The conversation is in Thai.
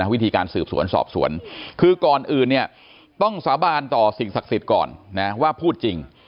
วิธีการสืบสวนสอบสวนคือก่อนอื่นเนี่ยต้องสาบานต่อสิ่งศักดิ์สิทธิ์ก่อนนะว่าพูดจริง